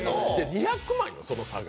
２００万よ、その差が。